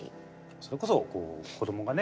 それこそ子どもがね